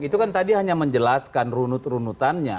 itu kan tadi hanya menjelaskan runut runutannya